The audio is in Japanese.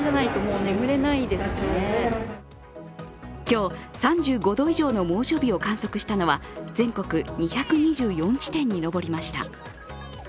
今日、３５度以上の猛暑日を観測したのは全国２２４地点に上りました。